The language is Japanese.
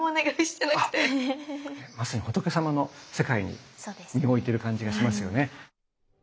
まさに仏様の世界に身を置いている感じがしますよね。